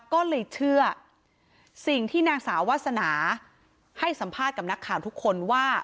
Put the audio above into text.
ก็เลยเชื่อสิ่งที่นางสาววาสนาให้สัมภาษณ์กับนักข่าวทุกคนว่า